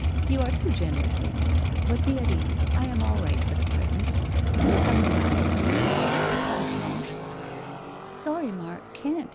' You are too generous, Amy, but be at ease, I am all right for the present. Can you come and dine with me to morrow, Place Blanche?' ' Sorry, Mark, can't